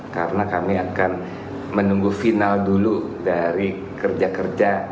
karena kami akan menunggu final dulu dari kerja kerja